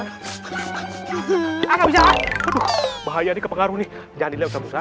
enggak bisa bahaya dikepengaruhi jadinya ustadz musa